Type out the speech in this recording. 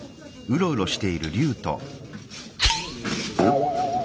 ん？